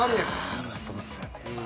ああまあそうっすよね。